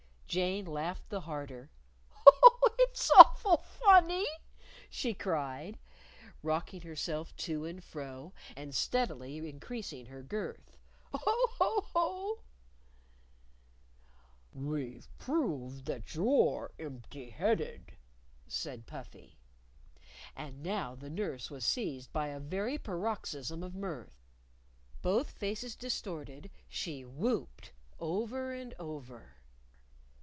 Jane laughed the harder. "Oh, it's awful funny!" she cried, rocking herself to and fro and steadily increasing her girth. "Oh! Oh! Oh!" "We've proved that you're empty headed," said Puffy. And now the nurse was seized by a very paroxysm of mirth. Both faces distorted, she whopped over and over.